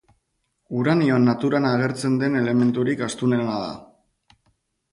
Uranioa naturan agertzen den elementurik astunena da.